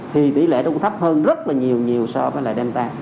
thì tỷ lệ nó cũng thấp hơn rất là nhiều nhiều so với delta